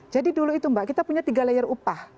jadi dulu itu mbak kita punya tiga layer upah